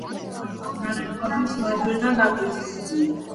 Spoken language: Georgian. ნარეკვავის მარჯვენა ნაპირზე.